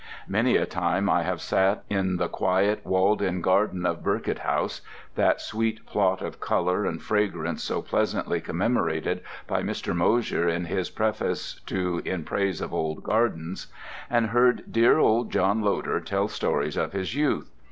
Many a time I have sat in the quiet, walled in garden of Burkitt House—that sweet plot of colour and fragrance so pleasantly commemorated by Mr. Mosher in his preface to "In Praise of Old Gardens"—and heard dear old John Loder tell stories of his youth.